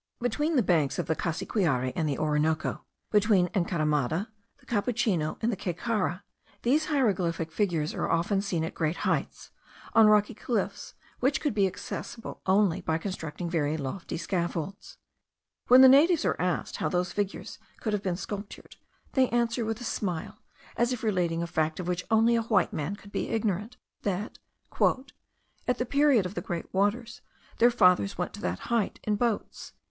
Between the banks of the Cassiquiare and the Orinoco, between Encaramada, the Capuchino, and Caycara, these hieroglyphic figures are often seen at great heights, on rocky cliffs which could be accessible only by constructing very lofty scaffolds. When the natives are asked how those figures could have been sculptured, they answer with a smile, as if relating a fact of which only a white man could be ignorant, that "at the period of the great waters, their fathers went to that height in boats."